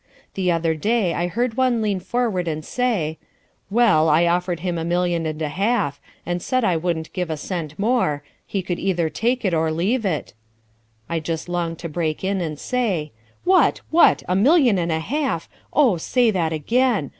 The other day I heard one lean forward and say, "Well, I offered him a million and a half and said I wouldn't give a cent more, he could either take it or leave it " I just longed to break in and say, "What! what! a million and a half! Oh! say that again!